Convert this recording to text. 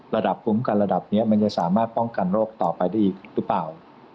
ระดับคุ้มกันระดับนี้มันจะสามารถป้องกันโรคต่อไปได้อีกหรือเปล่า